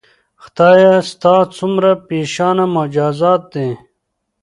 خدایه ستا څومره بېشانه معجزات دي